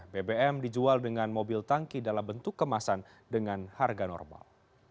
bbm dijual dengan mobil tangki dalam bentuk kemasan dengan harga normal